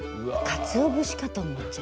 かつお節かと思っちゃう。